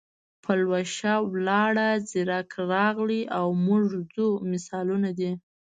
پلوشه لاړه، زیرک راغی او موږ ځو مثالونه دي.